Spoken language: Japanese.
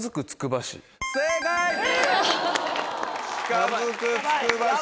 「近づくつくば市」